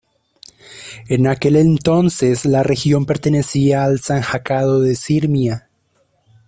En aquel entonces la región pertenecía al Sanjacado de Sirmia.